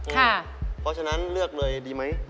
เพราะฉะนั้นเลือกเลยดีไหม